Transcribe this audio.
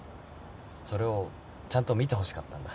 それをちゃんと見てほしかったんだ。